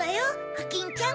コキンちゃん。